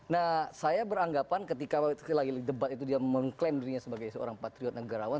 nah saya beranggapan ketika lagi debat itu dia mengklaim dirinya sebagai seorang patriot negarawan